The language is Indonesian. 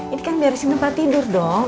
ini kan dari sini tempat tidur dong